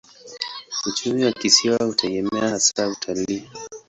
Uchumi wa kisiwa hutegemea hasa utalii.